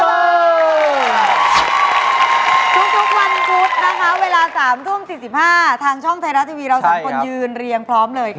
ทุกวันพุธนะคะเวลา๓ทุ่ม๔๕ทางช่องไทยรัฐทีวีเราสองคนยืนเรียงพร้อมเลยค่ะ